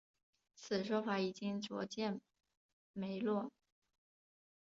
此说法已经逐渐没落。